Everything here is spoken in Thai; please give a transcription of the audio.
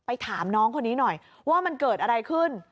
ถามน้องคนนี้หน่อยว่ามันเกิดอะไรขึ้น